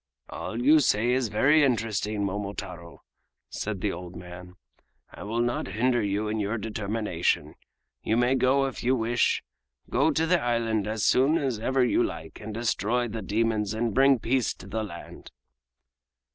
"All you say is very interesting, Momotaro," said the old man. "I will not hinder you in your determination. You may go if you wish. Go to the island as soon as ever you like and destroy the demons and bring peace to the land."